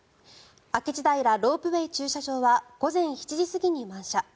明智平ロープウェイ駐車場は午前７時過ぎに満車。